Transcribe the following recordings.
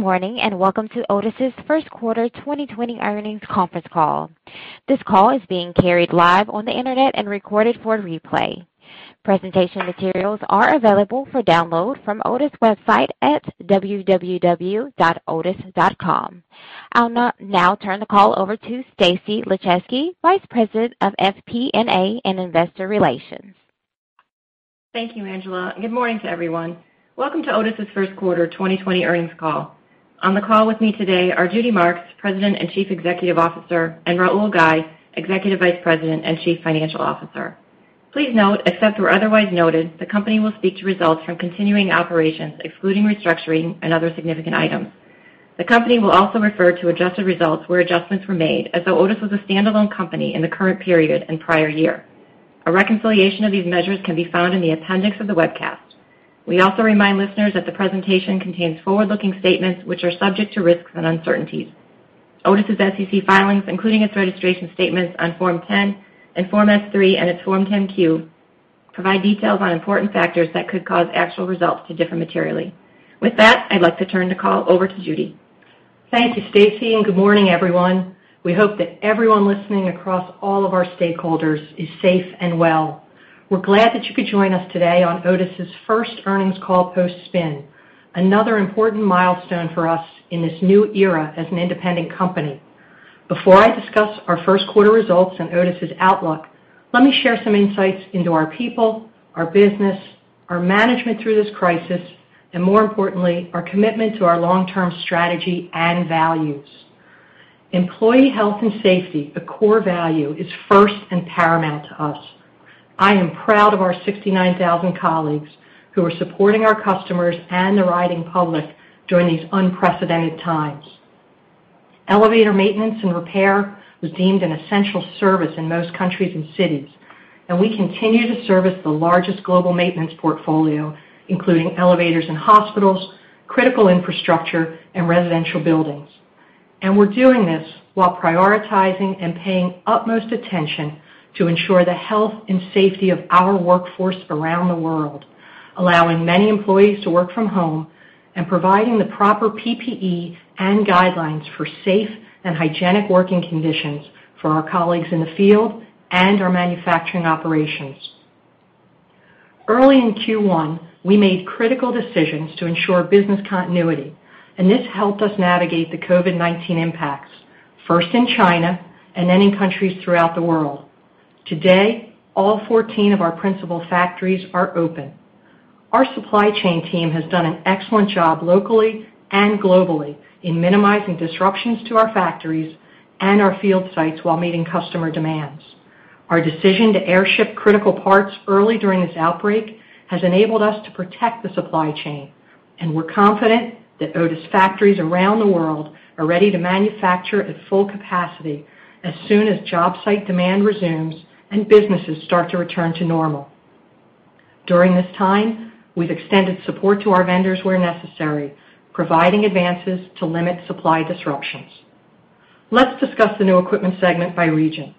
Good morning, and welcome to Otis's first quarter 2020 earnings conference call. This call is being carried live on the internet and recorded for replay. Presentation materials are available for download from Otis' website at www.otis.com. I'll now turn the call over to Stacy Laszewski Vice President of FP&A and Investor Relations. Thank you, Angela, good morning to everyone. Welcome to Otis's first quarter 2020 earnings call. On the call with me today are Judy Marks, President and Chief Executive Officer, and Rahul Ghai, Executive Vice President and Chief Financial Officer. Please note, except where otherwise noted, the company will speak to results from continuing operations, excluding restructuring and other significant items. The company will also refer to adjusted results where adjustments were made as though Otis was a standalone company in the current period and prior year. A reconciliation of these measures can be found in the appendix of the webcast. We also remind listeners that the presentation contains forward-looking statements which are subject to risks and uncertainties. Otis' SEC filings, including its registration statements on Form 10 and Form S-3 and its Form 10-Q, provide details on important factors that could cause actual results to differ materially. With that, I'd like to turn the call over to Judy. Thank you, Stacey, and good morning, everyone. We hope that everyone listening across all of our stakeholders is safe and well. We're glad that you could join us today on Otis's first earnings call post-spin, another important milestone for us in this new era as an independent company. Before I discuss our first quarter results and Otis's outlook, let me share some insights into our people, our business, our management through this crisis, and more importantly, our commitment to our long-term strategy and values. Employee health and safety, a core value, is first and paramount to us. I am proud of our 69,000 colleagues who are supporting our customers and the riding public during these unprecedented times. Elevator maintenance and repair was deemed an essential service in most countries and cities, and we continue to service the largest global maintenance portfolio, including elevators in hospitals, critical infrastructure, and residential buildings. We're doing this while prioritizing and paying utmost attention to ensure the health and safety of our workforce around the world, allowing many employees to work from home and providing the proper PPE and guidelines for safe and hygienic working conditions for our colleagues in the field and our manufacturing operations. Early in Q1, we made critical decisions to ensure business continuity, and this helped us navigate the COVID-19 impacts, first in China and then in countries throughout the world. Today, all 14 of our principal factories are open. Our supply chain team has done an excellent job locally and globally in minimizing disruptions to our factories and our field sites while meeting customer demands. Our decision to airship critical parts early during this outbreak has enabled us to protect the supply chain, and we're confident that Otis factories around the world are ready to manufacture at full capacity as soon as job site demand resumes and businesses start to return to normal. During this time, we've extended support to our vendors where necessary, providing advances to limit supply disruptions. Let's discuss the new equipment segment by region.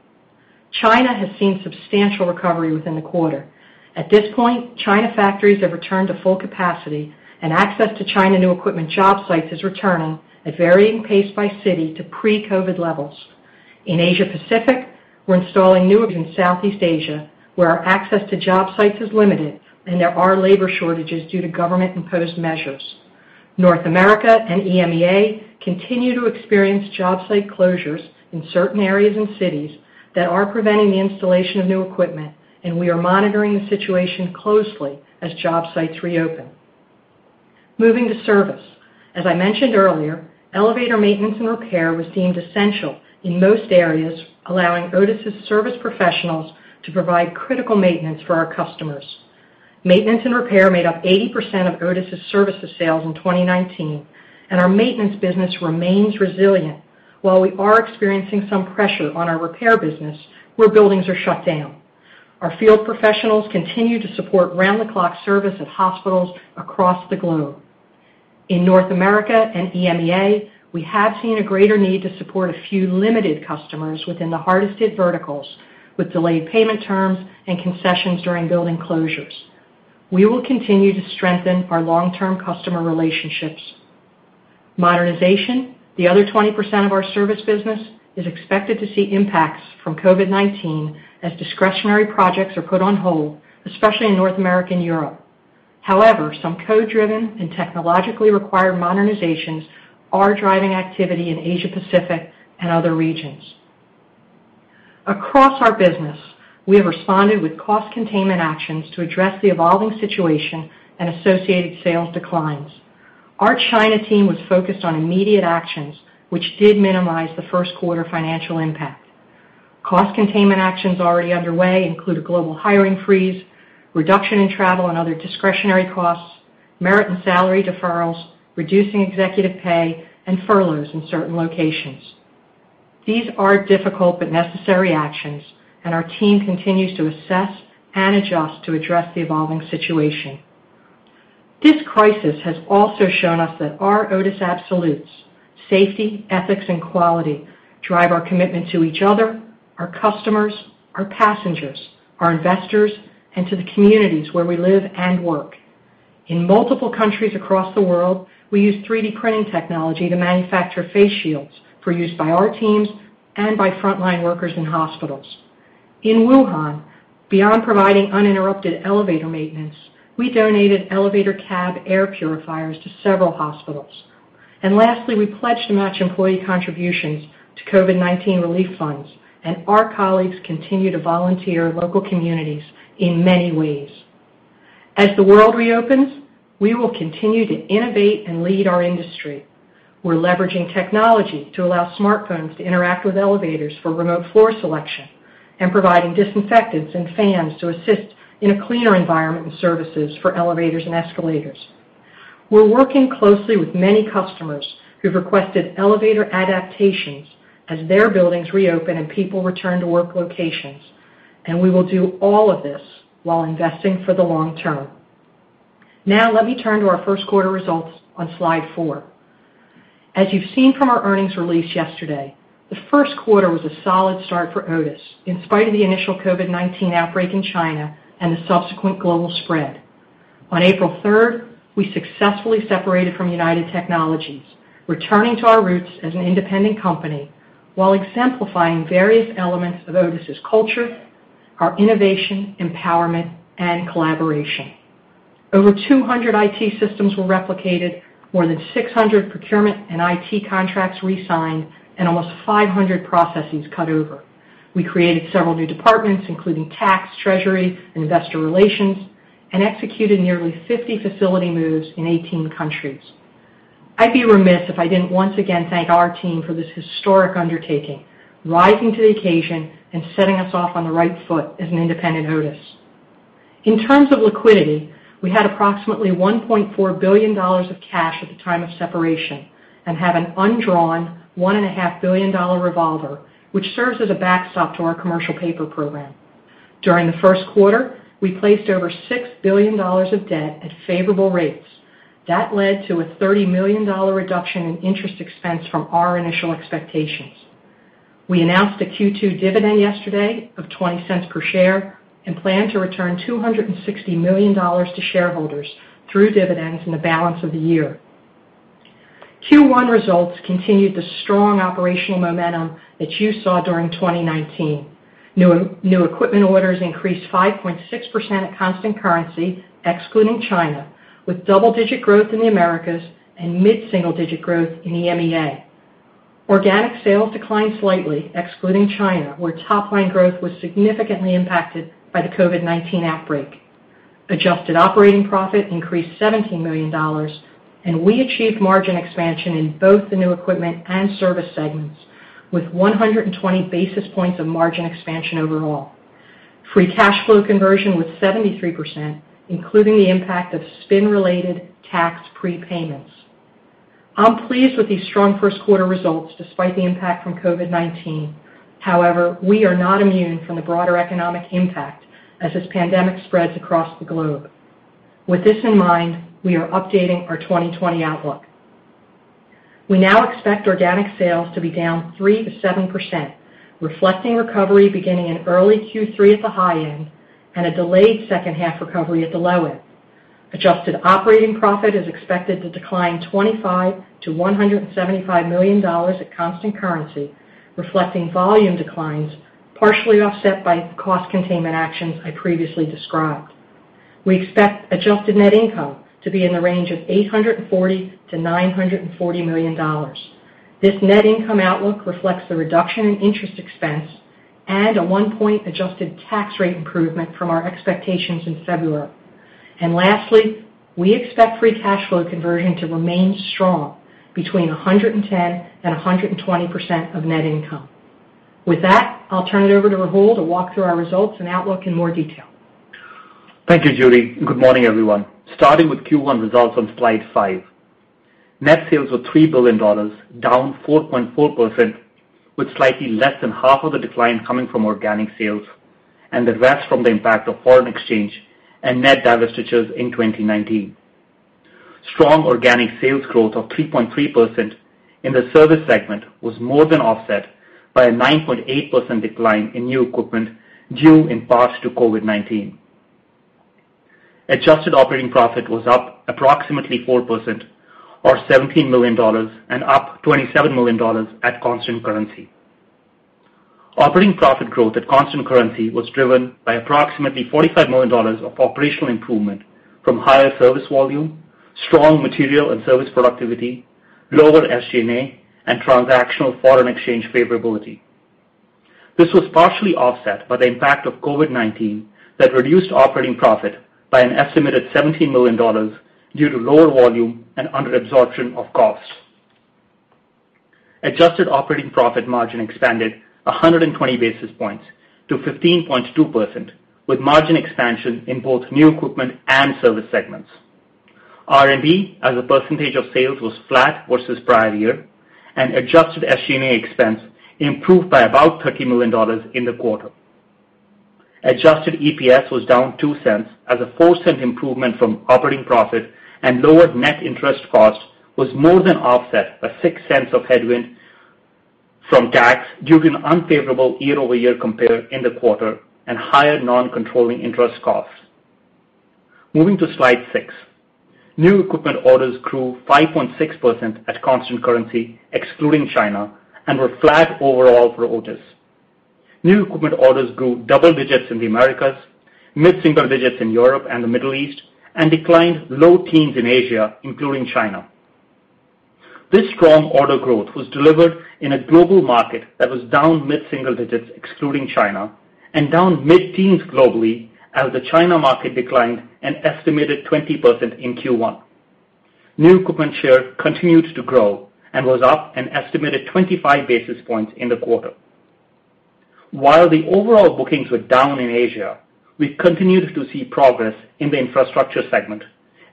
China has seen substantial recovery within the quarter. At this point, China factories have returned to full capacity and access to China new equipment job sites is returning at varying pace by city to pre-COVID levels. In Asia Pacific, we're installing new in Southeast Asia, where our access to job sites is limited and there are labor shortages due to government-imposed measures. North America and EMEA continue to experience job site closures in certain areas and cities that are preventing the installation of new equipment, and we are monitoring the situation closely as job sites reopen. Moving to service. As I mentioned earlier, elevator maintenance and repair was deemed essential in most areas, allowing Otis's service professionals to provide critical maintenance for our customers. Maintenance and repair made up 80% of Otis's services sales in 2019, and our maintenance business remains resilient while we are experiencing some pressure on our repair business where buildings are shut down. Our field professionals continue to support round-the-clock service at hospitals across the globe. In North America and EMEA, we have seen a greater need to support a few limited customers within the hardest hit verticals with delayed payment terms and concessions during building closures. We will continue to strengthen our long-term customer relationships. Modernization, the other 20% of our service business, is expected to see impacts from COVID-19 as discretionary projects are put on hold, especially in North America and Europe. However, some code-driven and technologically required modernizations are driving activity in Asia Pacific and other regions. Across our business, we have responded with cost containment actions to address the evolving situation and associated sales declines. Our China team was focused on immediate actions, which did minimize the first quarter financial impact. Cost containment actions already underway include a global hiring freeze, reduction in travel and other discretionary costs, merit and salary deferrals, reducing executive pay, and furloughs in certain locations. These are difficult but necessary actions, and our team continues to assess and adjust to address the evolving situation. This crisis has also shown us that our Otis Absolutes, Safety, Ethics, and Quality drive our commitment to each other, our customers, our passengers, our investors, and to the communities where we live and work. In multiple countries across the world, we use 3D printing technology to manufacture face shields for use by our teams and by frontline workers in hospitals. In Wuhan, beyond providing uninterrupted elevator maintenance, we donated elevator cab air purifiers to several hospitals. Lastly, we pledged to match employee contributions to COVID-19 relief funds, and our colleagues continue to volunteer in local communities in many ways. As the world reopens, we will continue to innovate and lead our industry. We're leveraging technology to allow smartphones to interact with elevators for remote floor selection and providing disinfectants and fans to assist in a cleaner environment and services for elevators and escalators. We're working closely with many customers who've requested elevator adaptations as their buildings reopen and people return to work locations, and we will do all of this while investing for the long term. Let me turn to our first quarter results on slide four. As you've seen from our earnings release yesterday, the first quarter was a solid start for Otis in spite of the initial COVID-19 outbreak in China and the subsequent global spread. On April 3rd, we successfully separated from United Technologies, returning to our roots as an independent company while exemplifying various elements of Otis' culture, our innovation, empowerment, and collaboration. Over 200 IT systems were replicated, more than 600 procurement and IT contracts resigned, and almost 500 processes cut over. We created several new departments, including tax, treasury, investor relations, and executed nearly 50 facility moves in 18 countries. I'd be remiss if I didn't once again thank our team for this historic undertaking, rising to the occasion and setting us off on the right foot as an independent Otis. In terms of liquidity, we had approximately $1.4 billion of cash at the time of separation and have an undrawn $1.5 billion revolver, which serves as a backstop to our commercial paper program. During the first quarter, we placed over $6 billion of debt at favorable rates. That led to a $30 million reduction in interest expense from our initial expectations. We announced a Q2 dividend yesterday of $0.20 per share and plan to return $260 million to shareholders through dividends in the balance of the year. Q1 results continued the strong operational momentum that you saw during 2019. New equipment orders increased 5.6% at constant currency, excluding China, with double-digit growth in the Americas and mid-single-digit growth in EMEA. Organic sales declined slightly, excluding China, where top-line growth was significantly impacted by the COVID-19 outbreak. Adjusted operating profit increased $17 million, and we achieved margin expansion in both the new equipment and service segments, with 120 basis points of margin expansion overall. Free cash flow conversion was 73%, including the impact of spin-related tax prepayments. I'm pleased with these strong first quarter results, despite the impact from COVID-19. We are not immune from the broader economic impact as this pandemic spreads across the globe. With this in mind, we are updating our 2020 outlook. We now expect organic sales to be down 3%-7%, reflecting recovery beginning in early Q3 at the high end, and a delayed second half recovery at the low end. Adjusted operating profit is expected to decline $25-$175 million at constant currency, reflecting volume declines, partially offset by cost containment actions I previously described. We expect adjusted net income to be in the range of $840-$940 million. This net income outlook reflects the reduction in interest expense and a one-point adjusted tax rate improvement from our expectations in February. Lastly, we expect free cash flow conversion to remain strong, between 110% and 120% of net income. With that, I'll turn it over to Rahul to walk through our results and outlook in more detail. Thank you, Judy, and good morning, everyone. Starting with Q1 results on slide five. Net sales were $3 billion, down 4.4%, with slightly less than half of the decline coming from organic sales and the rest from the impact of foreign exchange and net divestitures in 2019. Strong organic sales growth of 3.3% in the service segment was more than offset by a 9.8% decline in new equipment, due in part to COVID-19. Adjusted operating profit was up approximately 4%, or $17 million, and up $27 million at constant currency. Operating profit growth at constant currency was driven by approximately $45 million of operational improvement from higher service volume, strong material and service productivity, lower SG&A, and transactional foreign exchange favorability. This was partially offset by the impact of COVID-19 that reduced operating profit by an estimated $17 million due to lower volume and under absorption of costs. Adjusted operating profit margin expanded 120 basis points to 15.2%, with margin expansion in both new equipment and service segments. R&D as a percentage of sales was flat versus prior year, and adjusted SG&A expense improved by about $30 million in the quarter. Adjusted EPS was down $0.02 as a $0.04 improvement from operating profit and lower net interest cost was more than offset by $0.06 of headwind from tax due to an unfavorable year-over-year compare in the quarter and higher non-controlling interest costs. Moving to slide six. New equipment orders grew 5.6% at constant currency, excluding China, and were flat overall for Otis. New equipment orders grew double digits in the Americas, mid-single digits in Europe and the Middle East, and declined low teens in Asia, including China. This strong order growth was delivered in a global market that was down mid-single digits excluding China, and down mid-teens globally as the China market declined an estimated 20% in Q1. New equipment share continued to grow and was up an estimated 25 basis points in the quarter. While the overall bookings were down in Asia, we continued to see progress in the infrastructure segment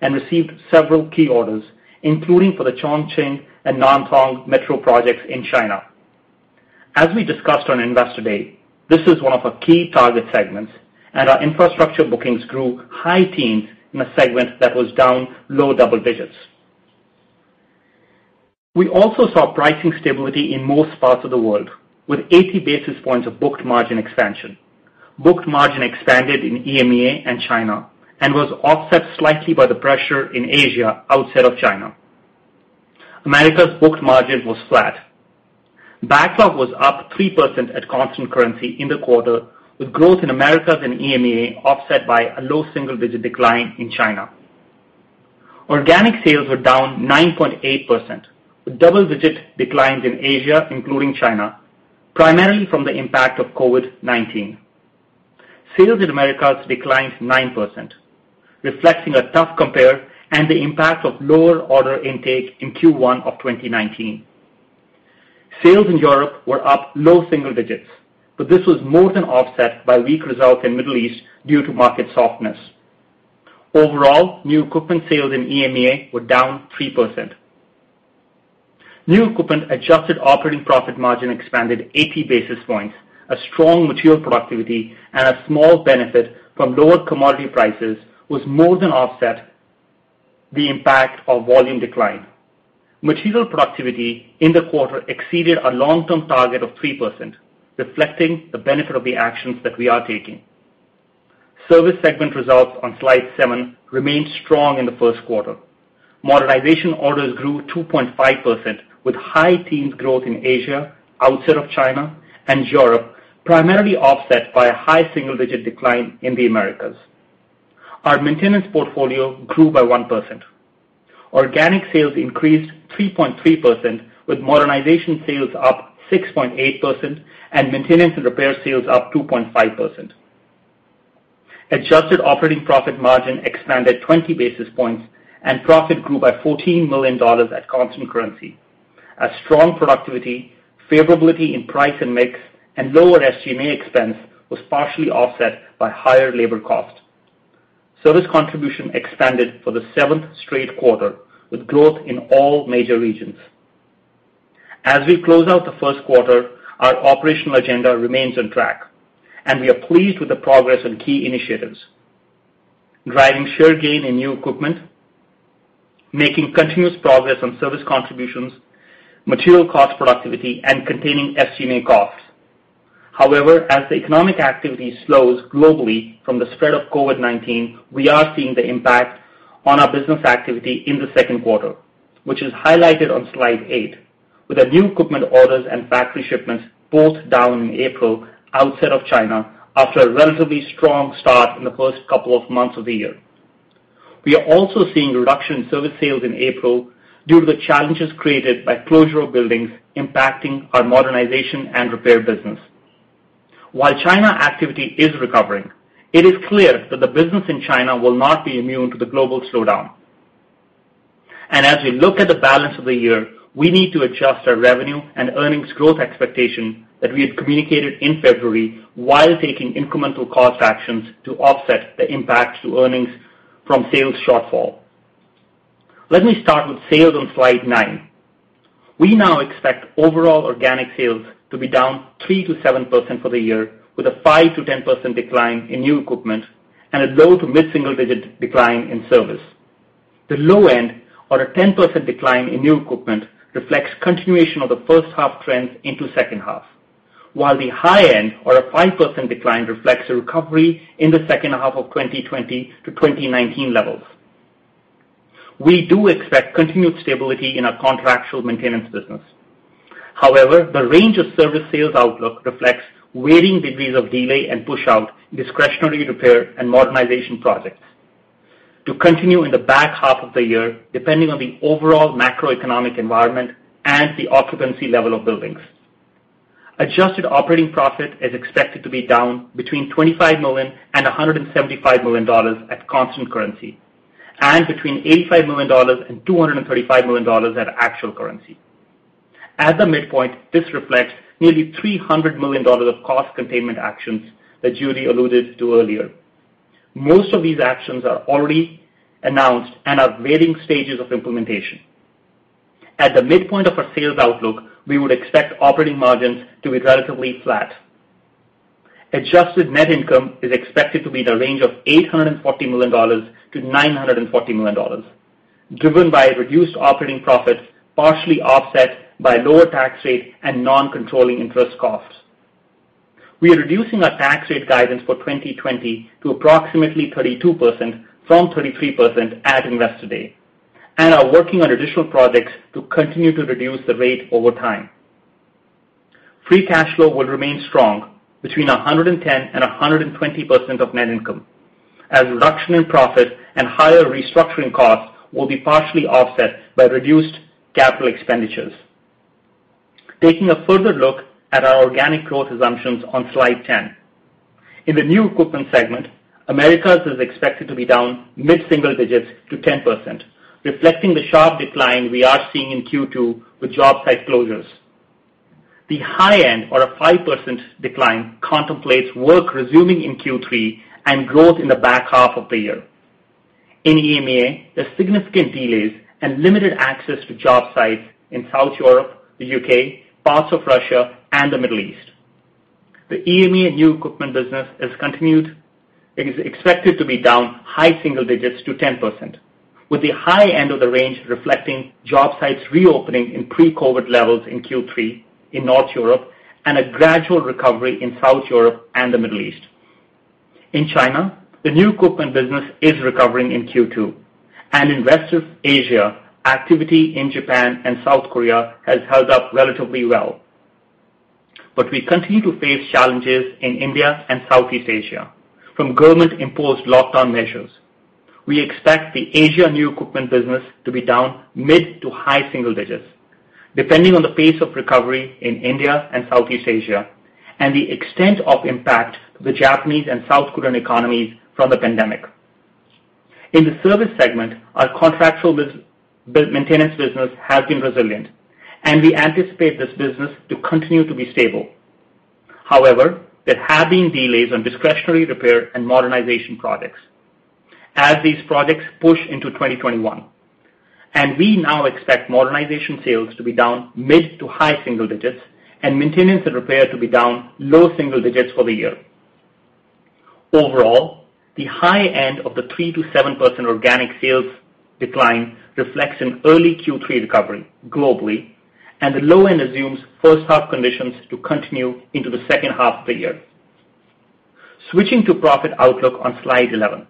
and received several key orders, including for the Chongqing and Nantong metro projects in China. As we discussed on Investor Day, this is one of our key target segments, and our infrastructure bookings grew high teens in a segment that was down low double digits. We also saw pricing stability in most parts of the world, with 80 basis points of booked margin expansion. Booked margin expanded in EMEA and China and was offset slightly by the pressure in Asia outside of China. Americas' booked margin was flat. Backlog was up 3% at constant currency in the quarter, with growth in Americas and EMEA offset by a low single-digit decline in China. Organic sales were down 9.8%, with double-digit declines in Asia, including China, primarily from the impact of COVID-19. Sales in Americas declined 9%, reflecting a tough compare and the impact of lower order intake in Q1 of 2019. Sales in Europe were up low single digits. This was more than offset by weak results in Middle East due to market softness. Overall, new equipment sales in EMEA were down 3%. New equipment adjusted operating profit margin expanded 80 basis points. A strong material productivity and a small benefit from lower commodity prices was more than offset the impact of volume decline. Material productivity in the quarter exceeded our long-term target of 3%, reflecting the benefit of the actions that we are taking. Service segment results on slide seven remained strong in the first quarter. Modernization orders grew 2.5% with high-teen growth in Asia outside of China and Europe, primarily offset by a high-single-digit decline in the Americas. Our maintenance portfolio grew by 1%. Organic sales increased 3.3%, with modernization sales up 6.8% and maintenance and repair sales up 2.5%. Adjusted operating profit margin expanded 20 basis points and profit grew by $14 million at constant currency. A strong productivity, favorability in price and mix, and lower SG&A expense was partially offset by higher labor cost. Service contribution expanded for the seventh straight quarter, with growth in all major regions. As we close out the first quarter, our operational agenda remains on track, and we are pleased with the progress on key initiatives. Driving share gain in new equipment, making continuous progress on service contributions, material cost productivity, and containing SG&A costs. As the economic activity slows globally from the spread of COVID-19, we are seeing the impact on our business activity in the second quarter, which is highlighted on slide eight, with our new equipment orders and factory shipments both down in April outside of China after a relatively strong start in the first couple of months of the year. We are also seeing a reduction in service sales in April due to the challenges created by closure of buildings impacting our modernization and repair business. While China activity is recovering, it is clear that the business in China will not be immune to the global slowdown. As we look at the balance of the year, we need to adjust our revenue and earnings growth expectation that we had communicated in February while taking incremental cost actions to offset the impact to earnings from sales shortfall. Let me start with sales on slide nine. We now expect overall organic sales to be down 3%-7% for the year, with a 5%-10% decline in new equipment and a low to mid-single digit decline in service. The low end, or a 10% decline in new equipment, reflects continuation of the first half trends into second half, while the high end, or a 5% decline, reflects a recovery in the second half of 2020 to 2019 levels. We do expect continued stability in our contractual maintenance business. However, the range of service sales outlook reflects varying degrees of delay and push-out discretionary repair and modernization projects to continue in the back half of the year, depending on the overall macroeconomic environment and the occupancy level of buildings. Adjusted operating profit is expected to be down between $25 million and $175 million at constant currency, and between $85 million and $235 million at actual currency. At the midpoint, this reflects nearly $300 million of cost containment actions that Judy alluded to earlier. Most of these actions are already announced and are at varying stages of implementation. At the midpoint of our sales outlook, we would expect operating margins to be relatively flat. Adjusted net income is expected to be in the range of $840 million to $940 million, driven by reduced operating profits, partially offset by lower tax rate and non-controlling interest costs. We are reducing our tax rate guidance for 2020 to approximately 32% from 33% at Investor Day, and are working on additional projects to continue to reduce the rate over time. Free cash flow will remain strong, between 110% and 120% of net income, as reduction in profit and higher restructuring costs will be partially offset by reduced capital expenditures. Taking a further look at our organic growth assumptions on Slide 10. In the new equipment segment, Americas is expected to be down mid-single digits to 10%, reflecting the sharp decline we are seeing in Q2 with job site closures. The high end, or a 5% decline, contemplates work resuming in Q3 and growth in the back half of the year. In EMEA, there's significant delays and limited access to job sites in South Europe, the U.K., parts of Russia, and the Middle East. The EMEA new equipment business is expected to be down high single digits to 10%, with the high end of the range reflecting job sites reopening in pre-COVID levels in Q3 in North Europe, and a gradual recovery in South Europe and the Middle East. In China, the new equipment business is recovering in Q2. In rest of Asia, activity in Japan and South Korea has held up relatively well. We continue to face challenges in India and Southeast Asia from government-imposed lockdown measures. We expect the Asia new equipment business to be down mid to high single digits, depending on the pace of recovery in India and Southeast Asia, and the extent of impact to the Japanese and South Korean economies from the pandemic. In the service segment, our contractual maintenance business has been resilient, and we anticipate this business to continue to be stable. However, there have been delays on discretionary repair and modernization projects, as these projects push into 2021. We now expect modernization sales to be down mid to high single digits and maintenance and repair to be down low single digits for the year. Overall, the high end of the 3%-7% organic sales decline reflects an early Q3 recovery globally, the low end assumes first half conditions to continue into the second half of the year. Switching to profit outlook on Slide 11.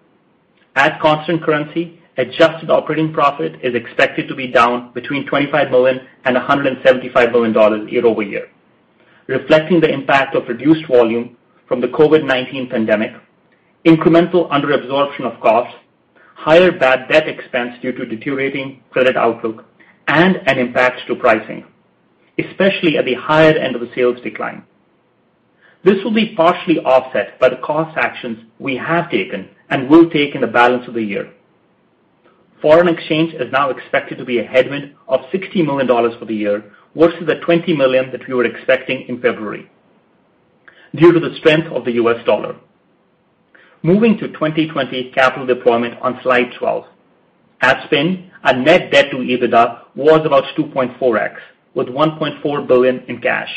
At constant currency, adjusted operating profit is expected to be down between $25 million and $175 million year-over-year, reflecting the impact of reduced volume from the COVID-19 pandemic, incremental under-absorption of costs, higher bad debt expense due to deteriorating credit outlook, and an impact to pricing, especially at the higher end of the sales decline. This will be partially offset by the cost actions we have taken and will take in the balance of the year. Foreign exchange is now expected to be a headwind of $60 million for the year versus the $20 million that we were expecting in February, due to the strength of the US dollar. Moving to 2020 capital deployment on Slide 12. At spin, our net debt to EBITDA was about 2.4x, with $1.4 billion in cash.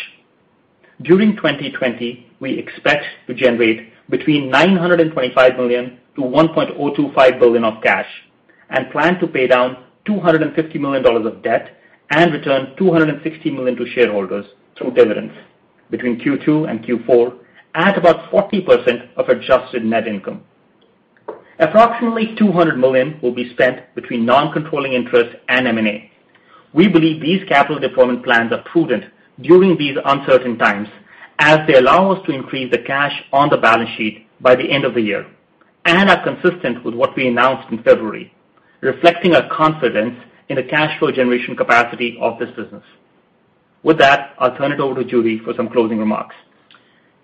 During 2020, we expect to generate between $925 million-$1.025 billion of cash and plan to pay down $250 million of debt and return $260 million to shareholders through dividends between Q2 and Q4 at about 40% of adjusted net income. Approximately $200 million will be spent between non-controlling interests and M&A. We believe these capital deployment plans are prudent during these uncertain times, as they allow us to increase the cash on the balance sheet by the end of the year and are consistent with what we announced in February, reflecting a confidence in the cash flow generation capacity of this business. With that, I'll turn it over to Judy for some closing remarks.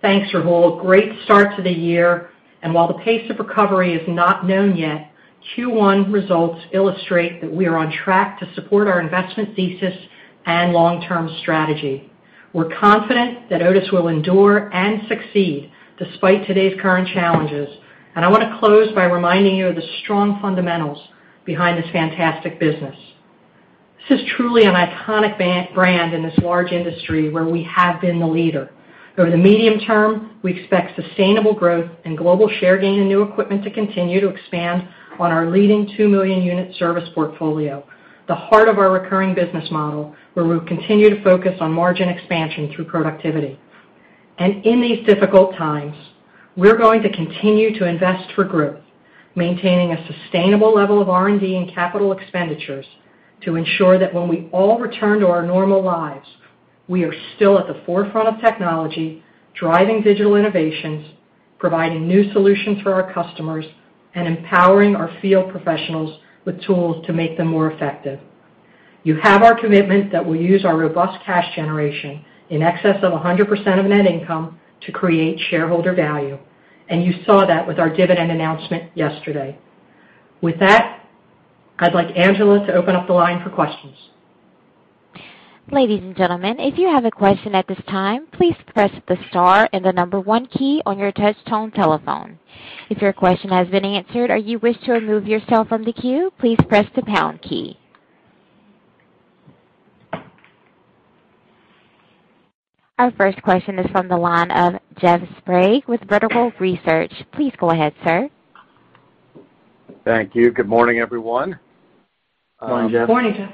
Thanks, Rahul. Great start to the year, while the pace of recovery is not known yet, Q1 results illustrate that we are on track to support our investment thesis and long-term strategy. We're confident that Otis will endure and succeed despite today's current challenges. I want to close by reminding you of the strong fundamentals behind this fantastic business. This is truly an iconic brand in this large industry where we have been the leader. Over the medium term, we expect sustainable growth in global share gain and new equipment to continue to expand on our leading two million unit service portfolio, the heart of our recurring business model, where we'll continue to focus on margin expansion through productivity. In these difficult times, we're going to continue to invest for growth, maintaining a sustainable level of R&D and capital expenditures to ensure that when we all return to our normal lives, we are still at the forefront of technology, driving digital innovations, providing new solutions for our customers, and empowering our field professionals with tools to make them more effective. You have our commitment that we'll use our robust cash generation in excess of 100% of net income to create shareholder value. You saw that with our dividend announcement yesterday. With that, I'd like Angela to open up the line for questions. Ladies and gentlemen, if you have a question at this time, please press the star and the number one key on your touch tone telephone. If your question has been answered or you wish to remove yourself from the queue, please press the pound key. Our first question is from the line of Jeff Sprague with Vertical Research. Please go ahead, sir. Thank you. Good morning, everyone. Morning, Jeff.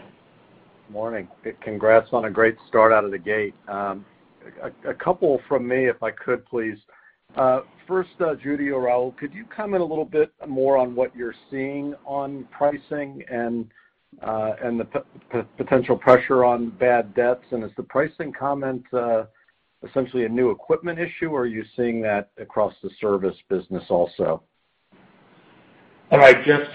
Morning, Jeff. Morning. Congrats on a great start out of the gate. A couple from me, if I could please. First, Judy or Rahul, could you comment a little bit more on what you're seeing on pricing and the potential pressure on bad debts, and is the pricing comment essentially a new equipment issue, or are you seeing that across the service business also? All right, Jeff.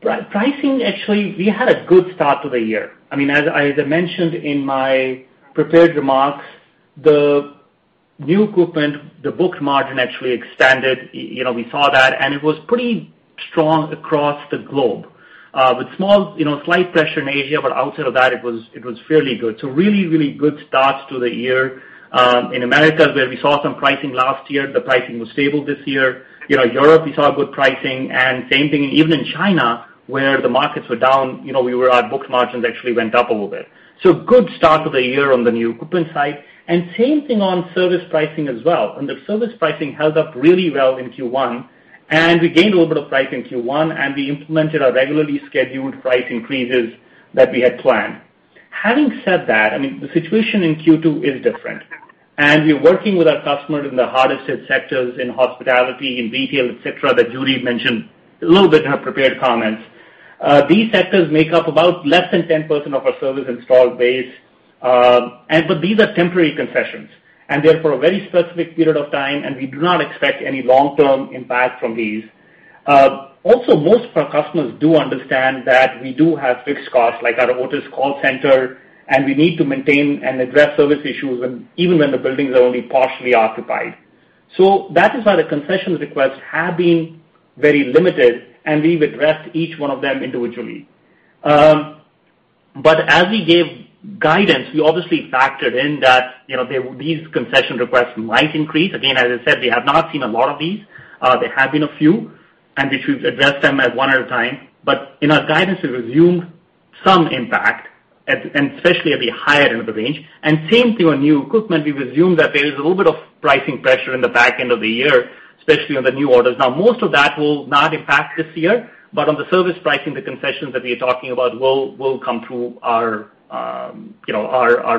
Pricing, actually, we had a good start to the year. As I mentioned in my prepared remarks, the new equipment, the book margin actually expanded. We saw that, and it was pretty strong across the globe. With small, slight pressure in Asia, but outside of that, it was fairly good. Really good start to the year. In America, where we saw some pricing last year, the pricing was stable this year. Europe, we saw good pricing, and same thing even in China, where the markets were down, our book margins actually went up a little bit. Good start to the year on the new equipment side. Same thing on service pricing as well. On the service pricing held up really well in Q1, and we gained a little bit of price in Q1, and we implemented our regularly scheduled price increases that we had planned. Having said that, the situation in Q2 is different. We're working with our customers in the hardest hit sectors, in hospitality, in retail, et cetera, that Judy mentioned a little bit in her prepared comments. These sectors make up about less than 10% of our service installed base. These are temporary concessions, and they're for a very specific period of time, and we do not expect any long-term impact from these. Also, most of our customers do understand that we do have fixed costs, like our Otis call center, and we need to maintain and address service issues even when the buildings are only partially occupied. That is why the concession requests have been very limited, and we've addressed each one of them individually. As we gave guidance, we obviously factored in that these concession requests might increase. Again, as I said, we have not seen a lot of these. There have been a few, and which we've addressed them one at a time. In our guidance, we've assumed some impact, and especially at the higher end of the range. Same thing on new equipment, we've assumed that there is a little bit of pricing pressure in the back end of the year, especially on the new orders. Now, most of that will not impact this year, but on the service pricing, the concessions that we're talking about will come through our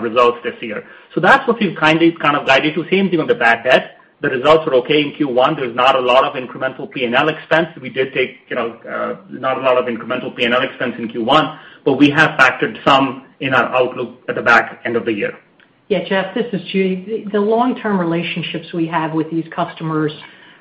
results this year. That's what we've kindly kind of guided to. Same thing on the back end. The results are okay in Q1. There's not a lot of incremental P&L expense. We did take not a lot of incremental P&L expense in Q1, but we have factored some in our outlook at the back end of the year. Yeah, Jeff, this is Judy. The long-term relationships we have with these customers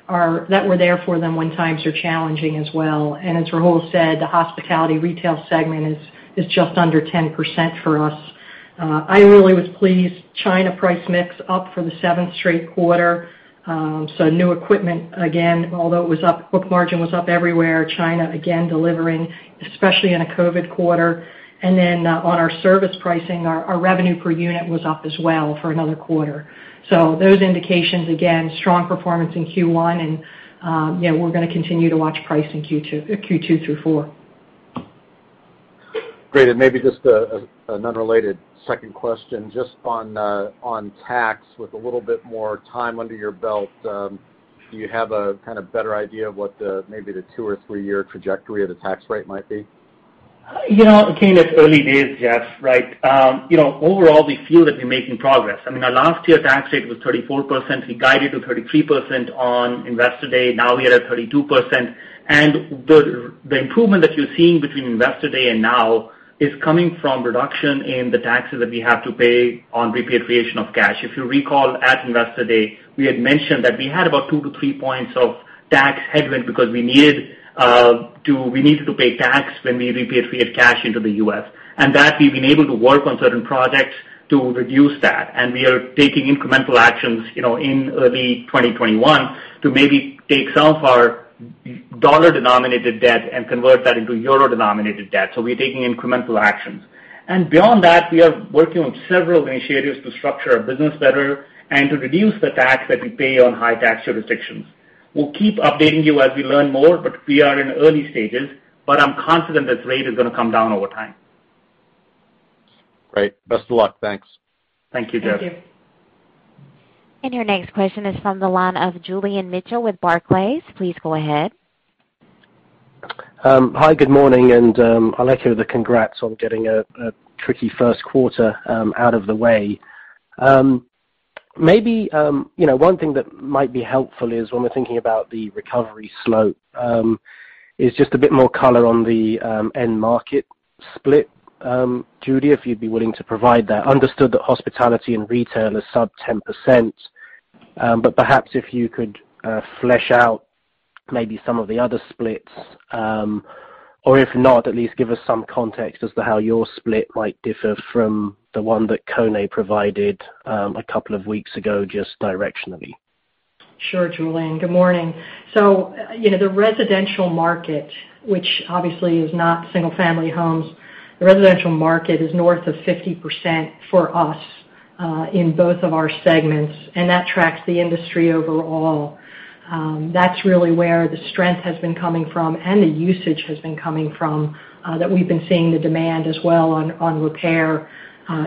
that we're there for them when times are challenging as well. As Rahul said, the hospitality retail segment is just under 10% for us. I really was pleased. China price mix up for the seventh straight quarter. New equipment, again, although it was up, book margin was up everywhere. China, again, delivering, especially in a COVID quarter. On our service pricing, our revenue per unit was up as well for another quarter. Those indications, again, strong performance in Q1, and we're going to continue to watch price in Q2 through four. Great. Maybe just an unrelated second question. Just on tax, with a little bit more time under your belt, do you have a better idea of what maybe the two or three-year trajectory of the tax rate might be? Again, it's early days, Jeff, right? Overall, we feel that we're making progress. Our last year tax rate was 34%. We guided to 33% on Investor Day. Now we're at 32%. The improvement that you're seeing between Investor Day and now is coming from reduction in the taxes that we have to pay on repatriation of cash. If you recall, at Investor Day, we had mentioned that we had about two to three points of tax headwind because we needed to pay tax when we repatriate cash into the U.S. That we've been able to work on certain projects to reduce that, and we are taking incremental actions in early 2021 to maybe take some of our dollar-denominated debt and convert that into euro-denominated debt. We're taking incremental actions. Beyond that, we are working on several initiatives to structure our business better and to reduce the tax that we pay on high tax jurisdictions. We'll keep updating you as we learn more, but we are in early stages, but I'm confident this rate is going to come down over time. Great. Best of luck. Thanks. Thank you, Jeff. Thank you. Your next question is from the line of Julian Mitchell with Barclays. Please go ahead. Good morning, I'll echo the congrats on getting a tricky first quarter out of the way. Maybe one thing that might be helpful is when we're thinking about the recovery slope, is just a bit more color on the end market split. Judy, if you'd be willing to provide that. Understood that hospitality and retail is sub 10%, but perhaps if you could flesh out maybe some of the other splits, or if not, at least give us some context as to how your split might differ from the one that KONE provided a couple of weeks ago, just directionally. Sure, Julian. Good morning. The residential market, which obviously is not single-family homes, the residential market is north of 50% for us in both of our segments, and that tracks the industry overall. That's really where the strength has been coming from, and the usage has been coming from, that we've been seeing the demand as well on repair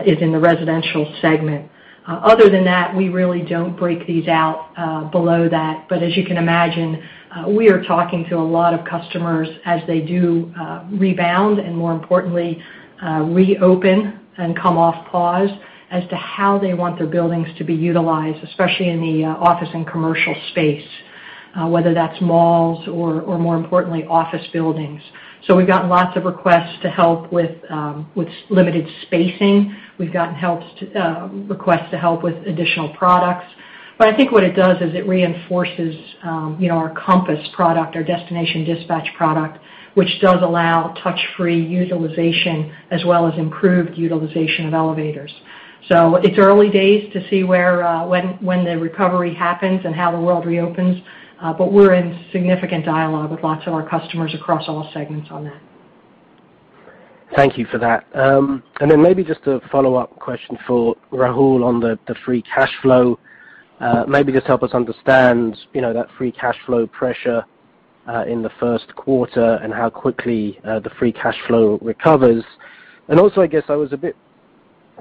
is in the residential segment. Other than that, we really don't break these out below that. As you can imagine, we are talking to a lot of customers as they do rebound, and more importantly, reopen and come off pause as to how they want their buildings to be utilized, especially in the office and commercial space, whether that's malls or more importantly, office buildings. We've gotten lots of requests to help with limited spacing. We've gotten requests to help with additional products. I think what it does is it reinforces our Compass product, our destination dispatch product, which does allow touch-free utilization as well as improved utilization of elevators. It's early days to see when the recovery happens and how the world reopens. We're in significant dialogue with lots of our customers across all segments on that. Thank you for that. Maybe just a follow-up question for Rahul on the free cash flow. Maybe just help us understand that free cash flow pressure in the first quarter and how quickly the free cash flow recovers. I guess I was a bit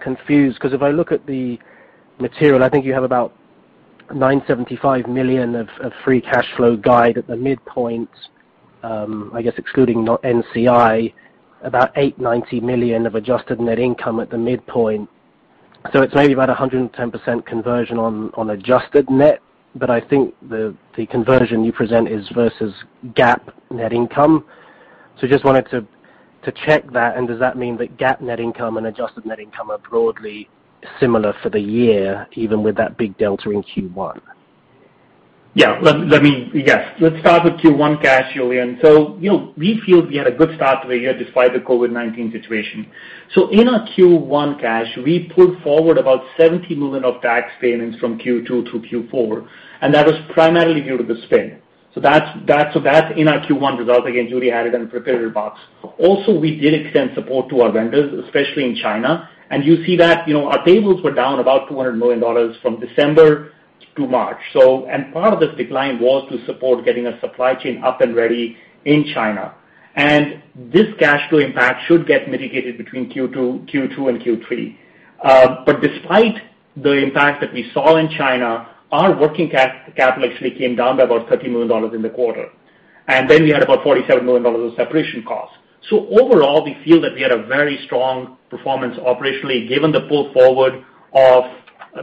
confused because if I look at the material, I think you have about $975 million of free cash flow guide at the midpoint, I guess excluding NCI, about $890 million of adjusted net income at the midpoint. It's maybe about 110% conversion on adjusted net, but I think the conversion you present is versus GAAP net income. Just wanted to check that, does that mean that GAAP net income and adjusted net income are broadly similar for the year, even with that big delta in Q1? Yeah. Let's start with Q1 cash, Julian. We feel we had a good start to the year despite the COVID-19 situation. In our Q1 cash, we pulled forward about $70 million of tax payments from Q2 to Q4, and that was primarily due to the spin. That's in our Q1 results. Again, Judy had it in the prepared remarks. Also, we did extend support to our vendors, especially in China. You see that our payables were down about $200 million from December to March. Part of this decline was to support getting a supply chain up and ready in China. This cash flow impact should get mitigated between Q2 and Q3. Despite the impact that we saw in China, our working capital actually came down by about $30 million in the quarter. We had about $47 million of separation costs. Overall, we feel that we had a very strong performance operationally, given the pull forward of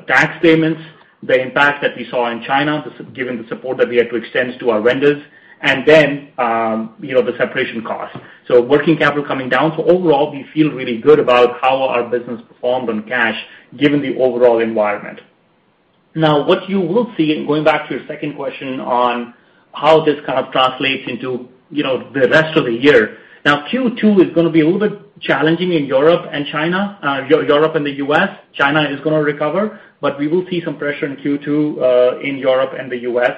tax payments, the impact that we saw in China, given the support that we had to extend to our vendors, and then the separation cost. Working capital coming down. Overall, we feel really good about how our business performed on cash given the overall environment. What you will see, and going back to your second question on how this kind of translates into the rest of the year. Q2 is going to be a little bit challenging in Europe and the U.S. China is going to recover, but we will see some pressure in Q2, in Europe and the U.S.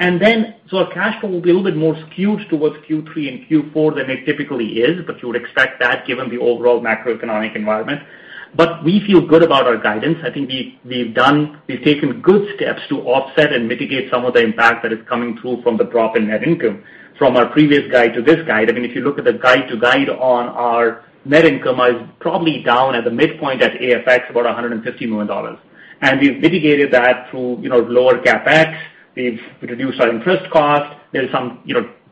Our cash flow will be a little bit more skewed towards Q3 and Q4 than it typically is, but you would expect that given the overall macroeconomic environment. We feel good about our guidance. I think we've taken good steps to offset and mitigate some of the impact that is coming through from the drop in net income from our previous guide to this guide. If you look at the guide to guide on our net income is probably down at the midpoint at AFX about $150 million. We've mitigated that through lower CapEx. We've reduced our interest cost. There's some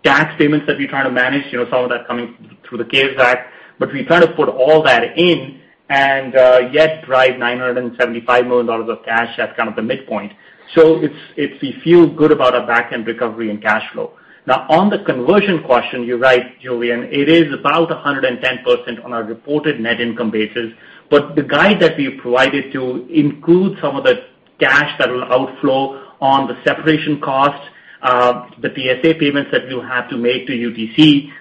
tax payments that we're trying to manage, some of that coming through the CARES Act. We kind of put all that in and yet drive $975 million of cash. That's kind of the midpoint. We feel good about our backend recovery and cash flow. On the conversion question, you're right, Julian. It is about 110% on our reported net income basis. The guide that we provided to include some of the cash that will outflow on the separation cost, the PSA payments that we'll have to make to UTC.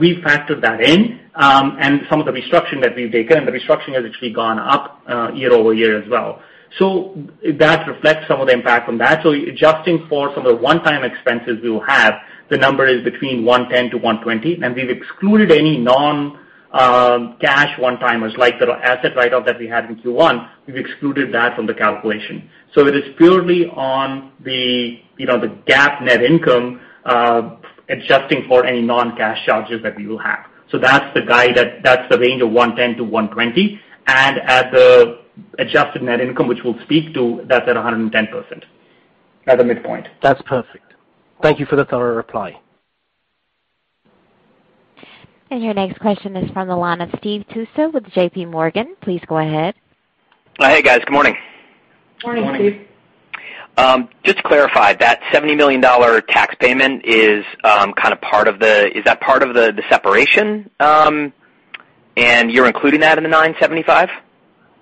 We factored that in, and some of the restructuring that we've taken, the restructuring has actually gone up year over year as well. That reflects some of the impact from that. Adjusting for some of the one-time expenses we will have, the number is between 110%-120%, and we've excluded any non-cash one-timers, like the asset write-off that we had in Q1, we've excluded that from the calculation. It is purely on the GAAP net income, adjusting for any non-cash charges that we will have. That's the guide, that's the range of $110-$120. At the adjusted net income, which we'll speak to, that's at 110% at the midpoint. That's perfect. Thank you for the thorough reply. Your next question is from the line of Steve Tusa with JPMorgan. Please go ahead. Hey, guys. Good morning. Morning, Steve. Just to clarify, that $70 million tax payment, is that part of the separation, and you're including that in the $975 million?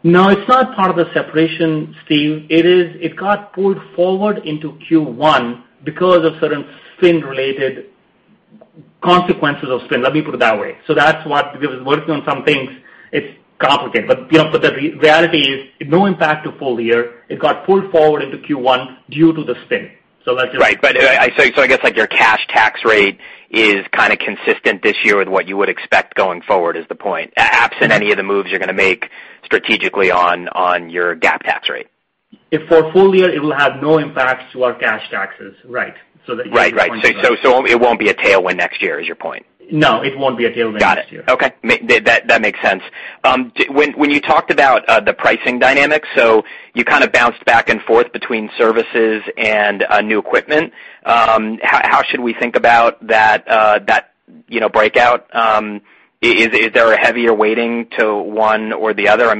No, it's not part of the separation, Steve. It got pulled forward into Q1 because of certain spin-related consequences of spin, let me put it that way. That's what we was working on some things. It's complicated, but the reality is no impact to full year. It got pulled forward into Q1 due to the spin. That's it. I guess like your cash tax rate is kind of consistent this year with what you would expect going forward is the point, absent any of the moves you're going to make strategically on your GAAP tax rate. For full year, it will have no impacts to our cash taxes. Right. Right. It won't be a tailwind next year, is your point? No, it won't be a tailwind next year. Got it. Okay. That makes sense. When you talked about the pricing dynamics, so you kind of bounced back and forth between services and new equipment. How should we think about that breakout? Is there a heavier weighting to one or the other?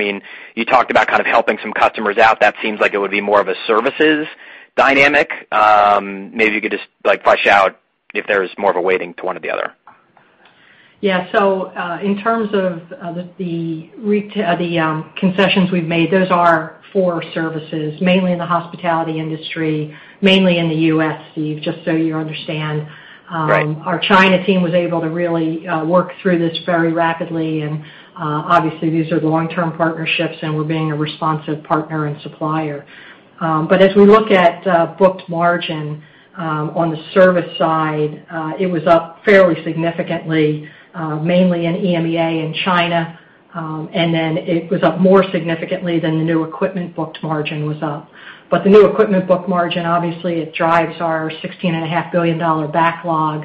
You talked about kind of helping some customers out. That seems like it would be more of a services dynamic. Maybe you could just like flush out if there's more of a weighting to one or the other. Yeah. In terms of the concessions we've made, those are for services, mainly in the hospitality industry, mainly in the U.S., Steve, just so you understand. Right. Our China team was able to really work through this very rapidly, obviously, these are the long-term partnerships, we're being a responsive partner and supplier. As we look at booked margin on the service side, it was up fairly significantly, mainly in EMEA and China. Then it was up more significantly than the new equipment booked margin was up. The new equipment booked margin, obviously, it drives our $16.5 billion backlog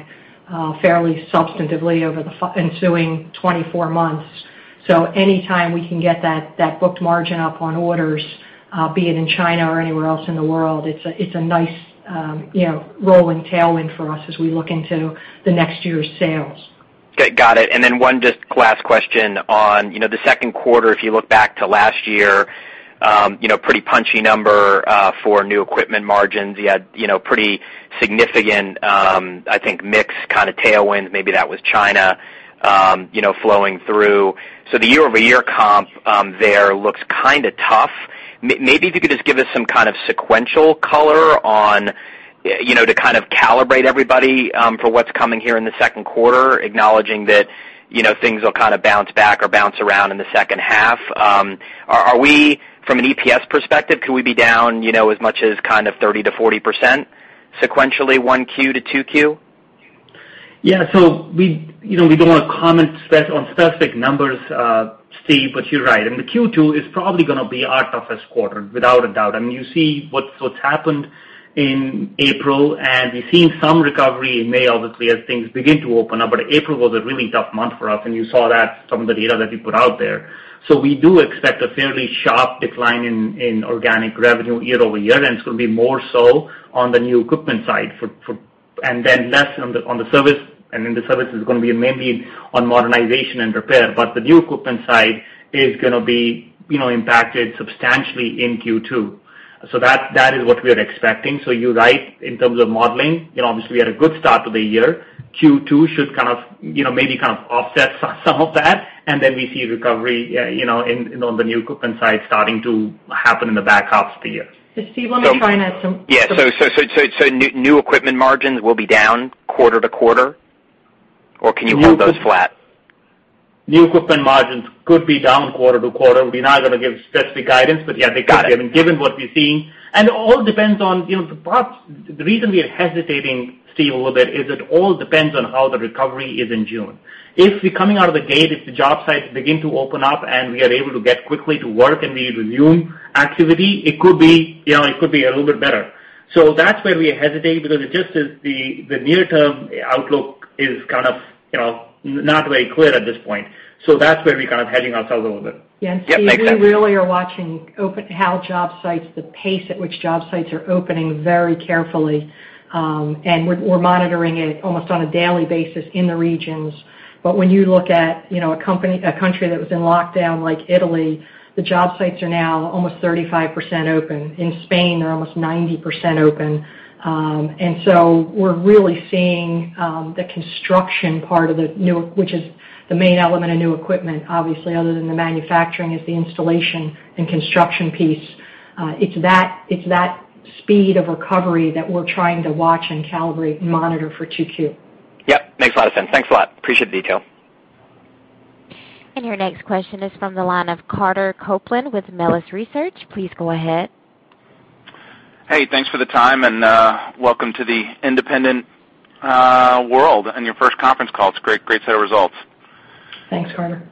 fairly substantively over the ensuing 24 months. Any time we can get that booked margin up on orders, be it in China or anywhere else in the world, it's a nice rolling tailwind for us as we look into the next year's sales. Okay, got it. One just last question on the second quarter. If you look back to last year, pretty punchy number for new equipment margins. You had pretty significant, I think, mix kind of tailwinds. Maybe that was China flowing through. The year-over-year comp there looks kind of tough. Maybe if you could just give us some kind of sequential color to kind of calibrate everybody for what's coming here in the second quarter, acknowledging that things will kind of bounce back or bounce around in the second half. From an EPS perspective, could we be down as much as kind of 30%-40% sequentially 1Q to 2Q? Yeah. We don't want to comment on specific numbers, Steve, but you're right. I mean, the Q2 is probably going to be our toughest quarter, without a doubt. I mean, you see what's happened in April, and we've seen some recovery in May, obviously, as things begin to open up. But April was a really tough month for us, and you saw that some of the data that we put out there. We do expect a fairly sharp decline in organic revenue year-over-year, and it's going to be more so on the new equipment side, and then less on the service. The service is going to be mainly on modernization and repair. The new equipment side is going to be impacted substantially in Q2. That is what we are expecting. You're right in terms of modeling. Obviously, we had a good start to the year. Q2 should kind of maybe kind of offset some of that, then we see recovery on the new equipment side starting to happen in the back half of the year. Steve, let me try and add some- Yeah. New equipment margins will be down quarter-to-quarter, or can you hold those flat? New equipment margins could be down quarter-to-quarter. We're not going to give specific guidance. Got it. given what we're seeing. It all depends on the parts. The reason we are hesitating, Steve, a little bit is it all depends on how the recovery is in June. If we're coming out of the gate, if the job sites begin to open up and we are able to get quickly to work and we resume activity, it could be a little bit better. That's where we hesitate because it just is the near-term outlook is kind of not very clear at this point. That's where we're kind of hedging ourselves a little bit. Yeah, makes sense. Yeah. Steve, we really are watching how job sites, the pace at which job sites are opening very carefully. We're monitoring it almost on a daily basis in the regions. When you look at a country that was in lockdown like Italy, the job sites are now almost 35% open. In Spain, they're almost 90% open. We're really seeing the construction part of the new, which is the main element of new equipment, obviously, other than the manufacturing, is the installation and construction piece. It's that speed of recovery that we're trying to watch and calibrate and monitor for 2Q. Yep, makes a lot of sense. Thanks a lot. Appreciate the detail. Your next question is from the line of Carter Copeland with Melius Research. Please go ahead. Hey, thanks for the time, and welcome to the independent world and your first conference call. It's a great set of results. Thanks, Carter.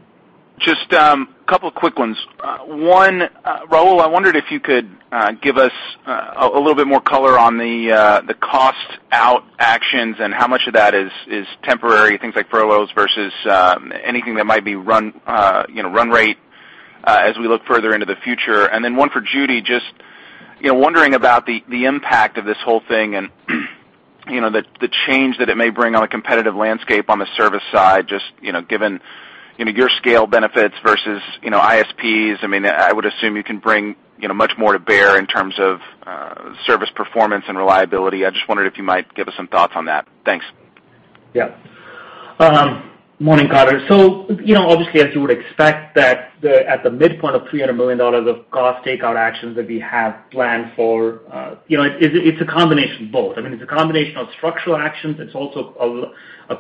Just a couple of quick ones. One, Rahul, I wondered if you could give us a little bit more color on the cost-out actions and how much of that is temporary, things like furloughs versus anything that might be run rate as we look further into the future. One for Judy, just wondering about the impact of this whole thing and the change that it may bring on a competitive landscape on the service side, just given your scale benefits versus ISPs. I would assume you can bring much more to bear in terms of service performance and reliability. I just wondered if you might give us some thoughts on that. Thanks. Morning, Carter. Obviously, as you would expect that at the midpoint of $300 million of cost takeout actions that we have planned for, it's a combination of both. It's a combination of structural actions. It's also a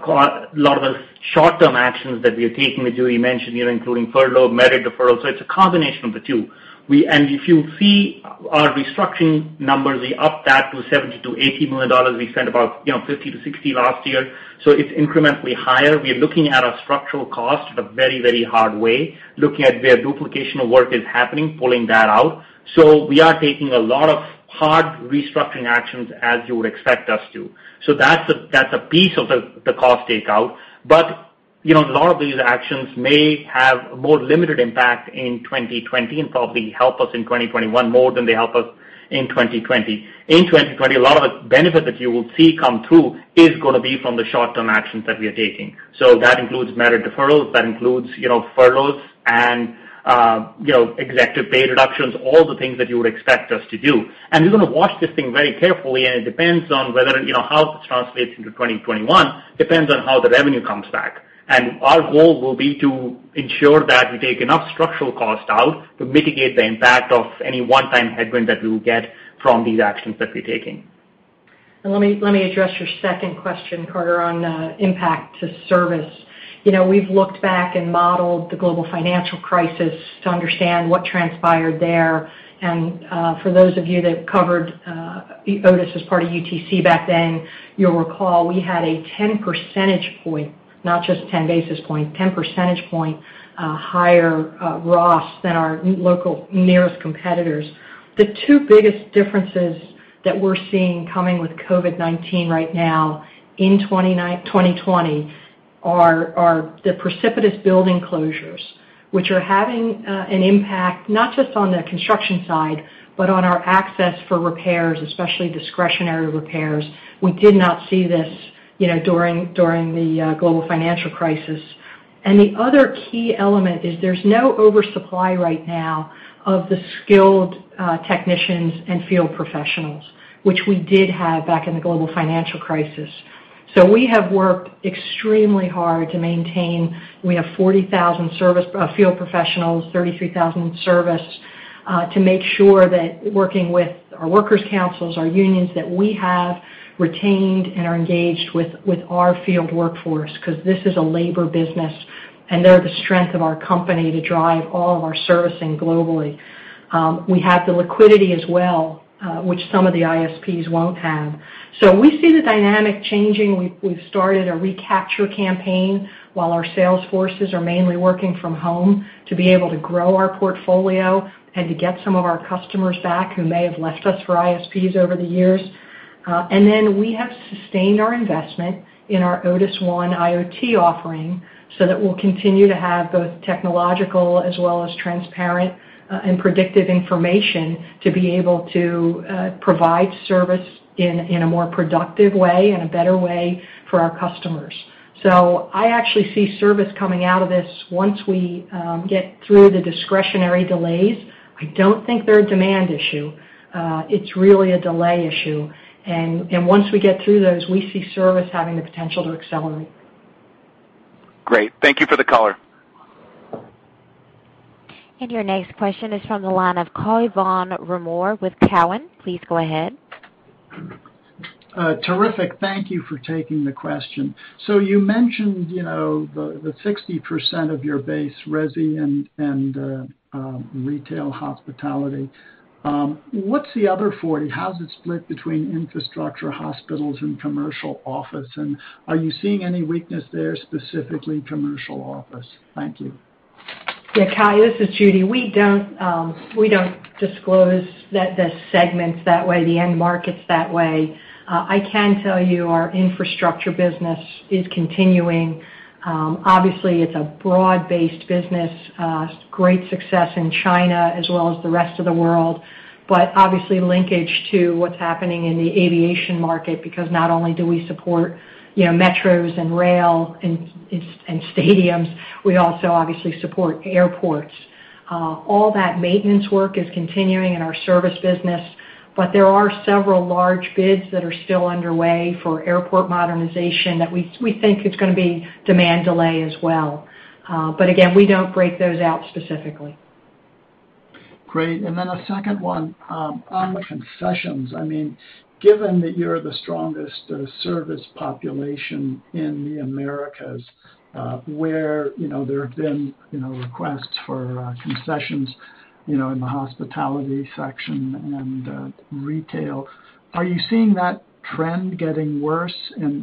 lot of short-term actions that we are taking, which Judy mentioned, including furlough, merit deferral. It's a combination of the two. If you see our restructuring numbers, we upped that to $70 million-$80 million. We spent about $50-$60 last year, so it's incrementally higher. We are looking at our structural cost the very hard way, looking at where duplication of work is happening, pulling that out. We are taking a lot of hard restructuring actions as you would expect us to. That's a piece of the cost takeout. A lot of these actions may have more limited impact in 2020 and probably help us in 2021 more than they help us in 2020. In 2020, a lot of the benefit that you will see come through is going to be from the short-term actions that we are taking. That includes merit deferrals, that includes furloughs and executive pay reductions, all the things that you would expect us to do. We're going to watch this thing very carefully, and it depends on how this translates into 2021, depends on how the revenue comes back. Our goal will be to ensure that we take enough structural cost out to mitigate the impact of any one-time headwind that we will get from these actions that we're taking. Let me address your second question, Carter, on impact to service. We've looked back and modeled the global financial crisis to understand what transpired there. For those of you that covered Otis as part of UTC back then, you'll recall we had a 10 percentage point, not just 10 basis point, 10 percentage point, higher ROSS than our local nearest competitors. The two biggest differences that we're seeing coming with COVID-19 right now in 2020 are the precipitous building closures, which are having an impact not just on the construction side, but on our access for repairs, especially discretionary repairs. We did not see this during the global financial crisis. The other key element is there's no oversupply right now of the skilled technicians and field professionals, which we did have back in the global financial crisis. We have worked extremely hard to maintain. We have 40,000 field professionals, 33,000 service, to make sure that working with our workers councils, our unions, that we have retained and are engaged with our field workforce, because this is a labor business, and they're the strength of our company to drive all of our servicing globally. We have the liquidity as well, which some of the ISPs won't have. We see the dynamic changing. We've started a recapture campaign while our sales forces are mainly working from home to be able to grow our portfolio and to get some of our customers back who may have left us for ISPs over the years. We have sustained our investment in our Otis ONE IoT offering, so that we'll continue to have both technological as well as transparent and predictive information to be able to provide service in a more productive way and a better way for our customers. I actually see service coming out of this once we get through the discretionary delays. I don't think they're a demand issue. It's really a delay issue. Once we get through those, we see service having the potential to accelerate. Great. Thank you for the color. Your next question is from the line of Cai von Rumohr with Cowen. Please go ahead. Terrific. Thank you for taking the question. You mentioned the 60% of your base resi and retail hospitality. What's the other 40? How's it split between infrastructure, hospitals, and commercial office? Are you seeing any weakness there, specifically commercial office? Thank you. Yeah, Cai, this is Judy. We don't disclose the segments that way, the end markets that way. I can tell you our infrastructure business is continuing. Obviously, it's a broad-based business, great success in China as well as the rest of the world, but obviously linkage to what's happening in the aviation market because not only do we support metros and rail and stadiums, we also obviously support airports. All that maintenance work is continuing in our service business, but there are several large bids that are still underway for airport modernization that we think it's going to be demand delay as well. Again, we don't break those out specifically. Great. Then a second one on the concessions. Given that you're the strongest service population in the Americas where there have been requests for concessions in the hospitality section and retail, are you seeing that trend getting worse?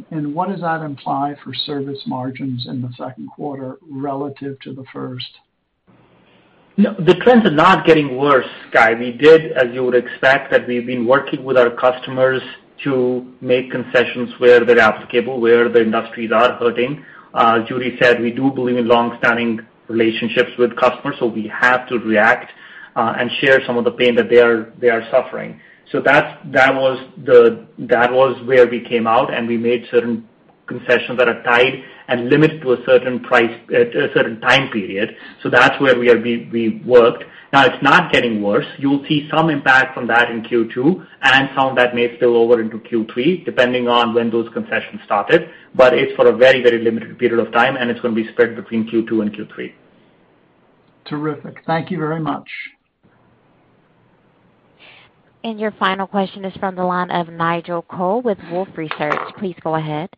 What does that imply for service margins in the second quarter relative to the first? No, the trends are not getting worse, Cai. We did, as you would expect, that we've been working with our customers to make concessions where they're applicable, where the industries are hurting. As Judy said, we do believe in long-standing relationships with customers, we have to react and share some of the pain that they are suffering. That was where we came out, and we made certain concessions that are tied and limited to a certain time period. That's where we worked. Now, it's not getting worse. You'll see some impact from that in Q2 and some that may spill over into Q3, depending on when those concessions started. It's for a very limited period of time, and it's going to be spread between Q2 and Q3. Terrific. Thank you very much. Your final question is from the line of Nigel Coe with Wolfe Research. Please go ahead.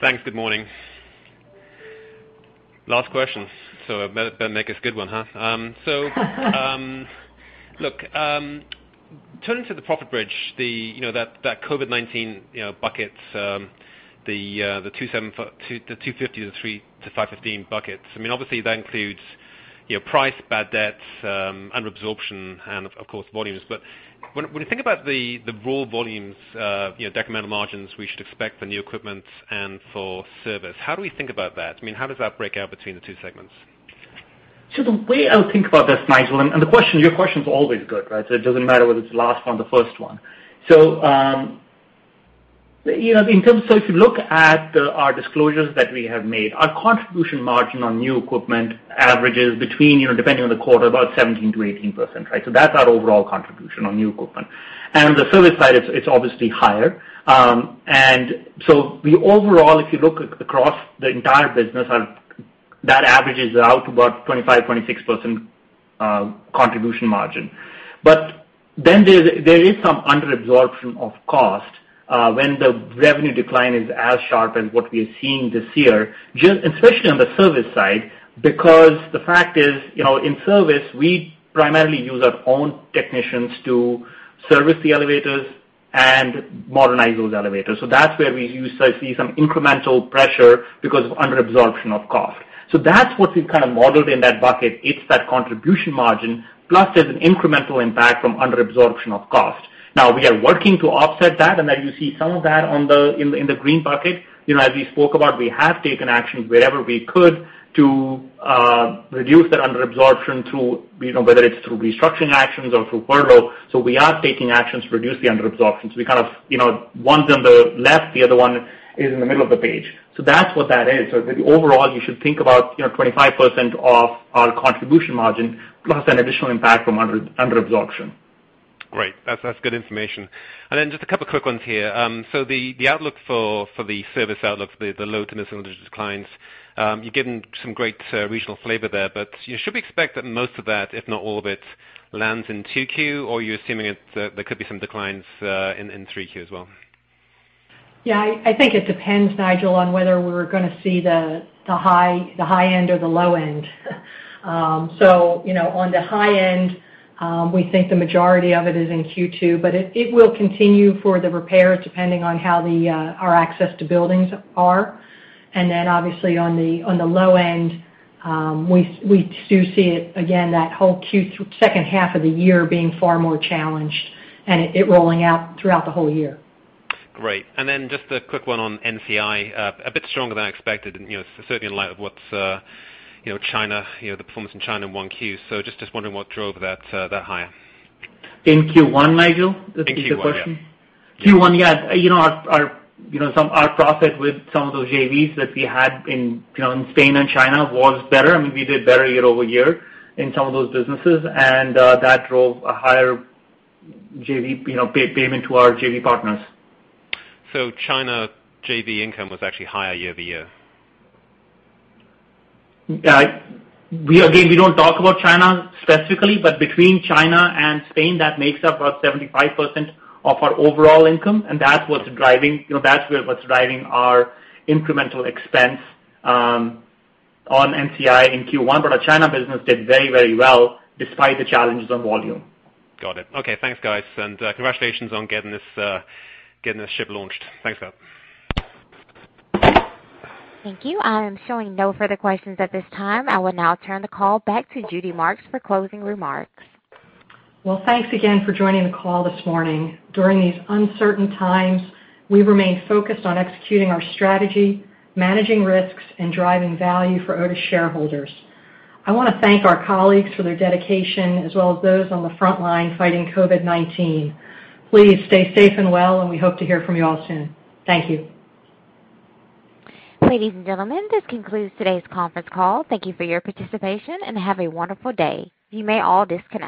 Thanks. Good morning. Last question, so better make this a good one, huh? Look, turning to the profit bridge, that COVID-19 buckets, the $250-$515 buckets. I mean, obviously, that includes price, bad debts, under-absorption, and of course, volumes. When you think about the raw volumes, incremental margins we should expect for new equipment and for service, how do we think about that? I mean, how does that break out between the two segments? The way I would think about this, Nigel, and your question's always good. It doesn't matter whether it's the last one or the first one. If you look at our disclosures that we have made, our contribution margin on new equipment averages between, depending on the quarter, about 17%-18%. That's our overall contribution on new equipment. On the service side, it's obviously higher. Overall, if you look across the entire business, that averages out to about 25%-26% contribution margin. There is some under-absorption of cost when the revenue decline is as sharp as what we are seeing this year, especially on the service side. The fact is, in service, we primarily use our own technicians to service the elevators and modernize those elevators. That's where we see some incremental pressure because of under-absorption of cost. That's what we've kind of modeled in that bucket. It's that contribution margin, plus there's an incremental impact from under-absorption of cost. We are working to offset that, and you see some of that in the green bucket. As we spoke about, we have taken actions wherever we could to reduce that under-absorption, whether it's through restructuring actions or through furlough. We are taking actions to reduce the under-absorption. One's on the left, the other one is in the middle of the page. That's what that is. Maybe overall, you should think about 25% of our contribution margin, plus an additional impact from under-absorption. Great. That's good information. Then just a couple quick ones here. The outlook for the service outlook, the low-tenancy declines, you've given some great regional flavor there, but should we expect that most of that, if not all of it, lands in 2Q, or you're assuming there could be some declines in 3Q as well? Yeah, I think it depends, Nigel, on whether we're going to see the high end or the low end. On the high end, we think the majority of it is in Q2, but it will continue for the repairs, depending on how our access to buildings are. Obviously on the low end, we do see it again, that whole second half of the year being far more challenged and it rolling out throughout the whole year. Great. Just a quick one on NCI. A bit stronger than I expected, certainly in light of the performance in China in 1Q. Just wondering what drove that higher. In Q1, Nigel? That's a good question. In Q1, yeah. Q1, yeah. Our profit with some of those JVs that we had in Spain and China was better. I mean, we did better year-over-year in some of those businesses, and that drove a higher payment to our JV partners. China JV income was actually higher year-over-year? We don't talk about China specifically, but between China and Spain, that makes up about 75% of our overall income, and that's what's driving our incremental expense on NCI in Q1. Our China business did very well despite the challenges on volume. Got it. Okay, thanks, guys. Congratulations on getting this ship launched. Thanks. Thank you. I am showing no further questions at this time. I will now turn the call back to Judy Marks for closing remarks. Well, thanks again for joining the call this morning. During these uncertain times, we remain focused on executing our strategy, managing risks, and driving value for Otis shareholders. I want to thank our colleagues for their dedication, as well as those on the front line fighting COVID-19. Please stay safe and well, and we hope to hear from you all soon. Thank you. Ladies and gentlemen, this concludes today's conference call. Thank you for your participation, and have a wonderful day. You may all disconnect.